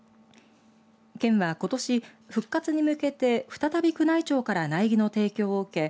県はことし、復活に向けて再び宮内庁から苗木の提供を受け